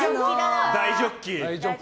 大ジョッキ。